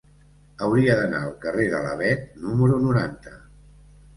Hauria d'anar al carrer de l'Avet número noranta.